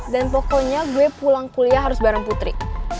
dan pokoknya gue pulang kuliah harus bareng putri